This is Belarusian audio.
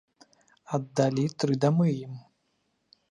Аддалі тры дамы ім.